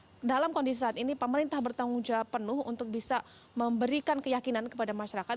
karena dalam kondisi saat ini pemerintah bertanggung jawab penuh untuk bisa memberikan keyakinan kepada masyarakat